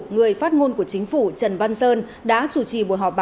người phát ngôn của chính phủ trần văn sơn đã chủ trì buổi họp báo